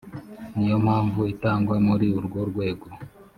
ni yo mpamvu itangwa muri urwo rwego